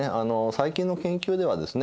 最近の研究ではですね